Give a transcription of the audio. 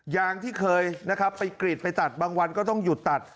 ยางที่เคยนะครับไปกรีดไปตัดบางวันก็ต้องหยุดตัด